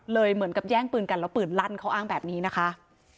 เหมือนกับแย่งปืนกันแล้วปืนลั่นเขาอ้างแบบนี้นะคะ